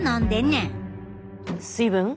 水分？